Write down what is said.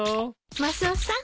マスオさん